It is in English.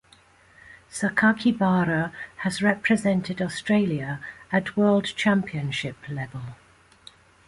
Sakakibara has represented Australia at World Championship level.